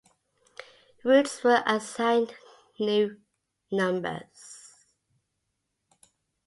Routes were assigned new numbers.